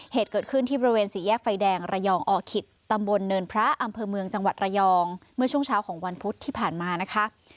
เหตุเกิดขึ้นที่บริเวณสี่แยกไฟแดงระยองอขิตตำบลเนินพระอำเภอเมืองจังหวัดระยองเมื่อช่วงเช้าของวันพุธที่ผ่านมานะคะ